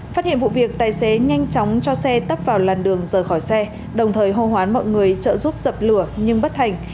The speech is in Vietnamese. phát hiện vụ việc tài xế nhanh chóng cho xe tấp vào làn đường rời khỏi xe đồng thời hô hoán mọi người trợ giúp dập lửa nhưng bất thành